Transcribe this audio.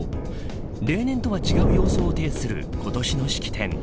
例年とは違う様相を呈する今年の式典。